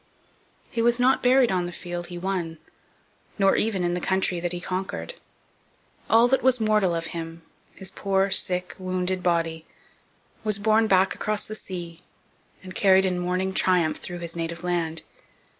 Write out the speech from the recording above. He was not buried on the field he won, nor even in the country that he conquered. All that was mortal of him his poor, sick, wounded body was borne back across the sea, and carried in mourning triumph through his native land.